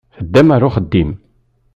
Teddam ɣer uxeddim.